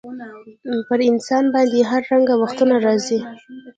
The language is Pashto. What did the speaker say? پر انسان باندي هر رنګه وختونه راځي.